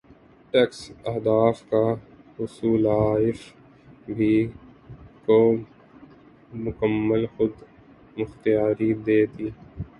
tax اہداف کا حصولایف بی کو مکمل خود مختاری دے دی